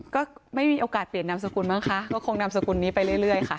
ก็ไม่มีโอกาสเปลี่ยนนามสกุลบ้างคะก็คงนามสกุลนี้ไปเรื่อยค่ะ